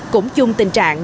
cũng chung tình trạng